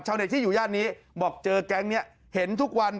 เน็ตที่อยู่ย่านนี้บอกเจอแก๊งนี้เห็นทุกวัน